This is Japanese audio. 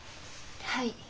はい。